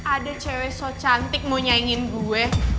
ada cewek so cantik mau nyaingin gue